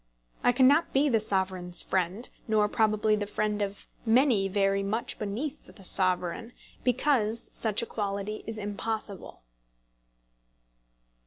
I cannot be the Sovereign's friend, nor probably the friend of many very much beneath the Sovereign, because such equality is impossible.